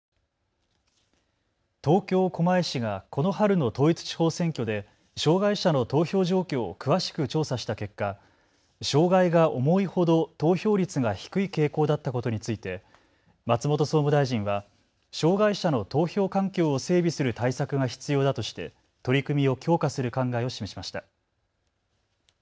東京狛江市がこの春の統一地方選挙で障害者の投票状況を詳しく調査した結果、障害が重いほど投票率が低い傾向だったことについて松本総務大臣は障害者の投票環境を整備する対策が必要だとして取り組みを強化する考えを示しました。